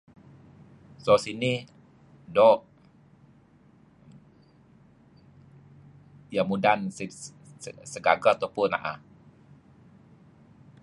So sinih doo' iyah mudan [se se] segagah tupu na'ah